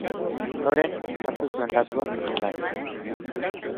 Ondoren, sartu zuen datuak formularioan.